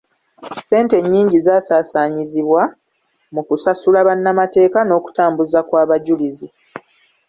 Ssente nnyingi zaasaasaaanyizibwa mu kusasula bannamateeka n'okutambuza kw'abajulizi.